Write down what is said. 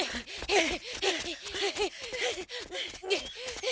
えっ！？